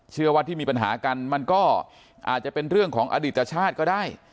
เชื่อว่าที่มีปัญหากันมันก็อาจจะเป็นเรื่องของอดิตชาติก็ได้